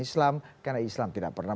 islam karena islam tidak pernah